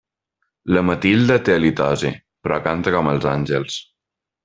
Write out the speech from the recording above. La Matilde té halitosi, però canta com els àngels.